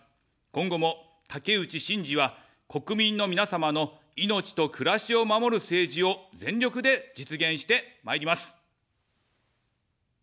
今後も、竹内しんじは、国民の皆様の命と暮らしを守る政治を全力で実現してまいります。